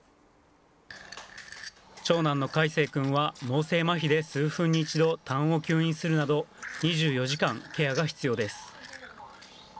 長男の海成くんは脳性麻痺で数分に一度たんを吸引するなど２４時間ケアが必要です。